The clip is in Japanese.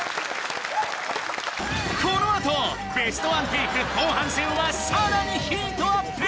このあとベストワンテイク後半戦はさらにヒートアップ！